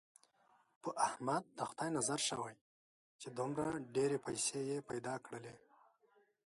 په احمد د خدای نظر شوی، چې دومره ډېرې پیسې یې پیدا کړلې.